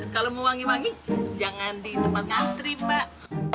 kalau mau wangi wangi jangan di tempat ngantri mbak